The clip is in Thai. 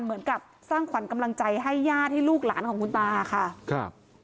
เหมือนกับสร้างขวัญกำลังใจให้ญาติให้ลูกหลานของคุณตาค่ะครับ